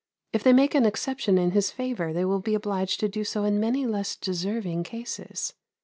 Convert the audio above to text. If they make an exception in his favour they will be obliged to do so in many less deserving cases.